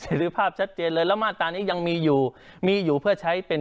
หรือภาพชัดเจนเลยแล้วมาตรานี้ยังมีอยู่มีอยู่เพื่อใช้เป็น